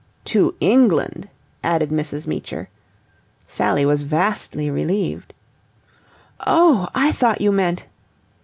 "To England," added Mrs. Meecher. Sally was vastly relieved. "Oh, I thought you meant..."